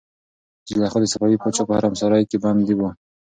زلیخا د صفوي پاچا په حرمسرای کې بندي وه.